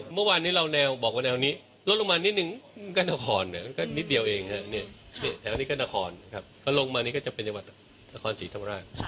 เมื่อวานนี้เราแนวบอกว่าแนวนี้ลดลงมานิดนึงก็นาคอนนิดเดียวเองนะครับแถวนี้ก็นาคอนครับ